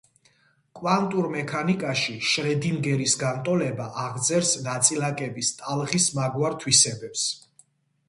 კვანტურ მექანიკაში შრედინგერის განტოლება აღწერს ნაწილაკების ტალღის მაგვარ თვისებებს.